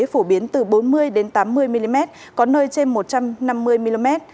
phổ biến từ bốn mươi tám mươi mm có nơi trên một trăm năm mươi mm